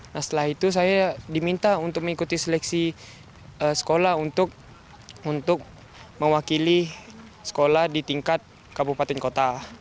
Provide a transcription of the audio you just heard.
nah setelah itu saya diminta untuk mengikuti seleksi sekolah untuk mewakili sekolah di tingkat kabupaten kota